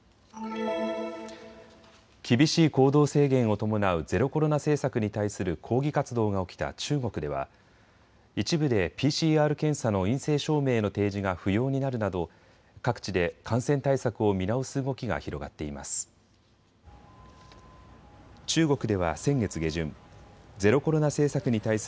厳しい行動制限を伴うゼロコロナ政策に対する抗議活動が起きた中国では一部でＰＣＲ検査の陰性証明の提示が不要になるなど各地で感染対策を見直す動きが広がっています。